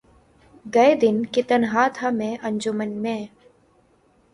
گئے دن کہ تنہا تھا میں انجمن میں